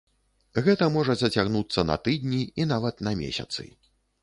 Гэта можа зацягнуцца на тыдні і нават на месяцы.